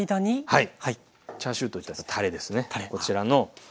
はい。